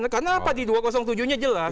karena apa di dua ratus tujuh nya jelas